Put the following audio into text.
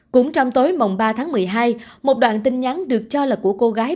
cũng trong tối mùng ba tháng một mươi hai một đoạn tin nhắn được cho là của cô gái